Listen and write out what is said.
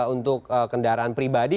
untuk kendaraan pribadi